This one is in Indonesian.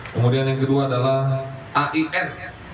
kemudian yang kedua adalah ain